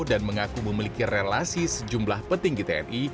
dan mengaku memiliki relasi sejumlah petinggi tni